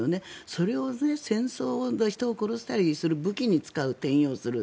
それを戦争で人を殺したりする武器に使う、転用する。